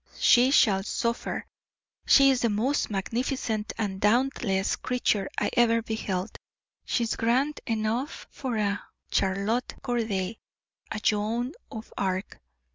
She shall suffer. She is the most magnificent and dauntless creature I ever beheld; she is grand enough for a Charlotte Corday, a Joan of Arc.